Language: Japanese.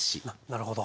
なるほど。